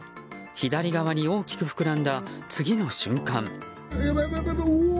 左側に大きく膨らんだ次の瞬間。